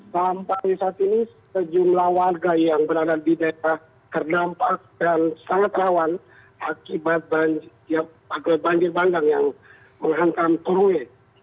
sampai saat ini sejumlah warga yang berada di daerah terdampak dan sangat rawan akibat banjir bandang yang menghantam korway